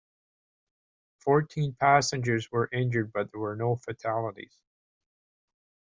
Fourteen passengers were injured, but there were no fatalities.